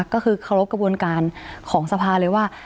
ก็คือเคารพกระบวนการของสภาเลยว่า